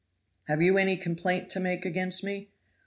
"Have you any complaint to make against me?"